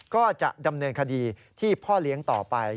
ก็จะดำเนินคดีที่พ่อเลี้ยงต่อไป